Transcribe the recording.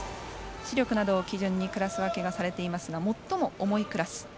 視力などを基準にクラス分けをされていますが最も重いクラス。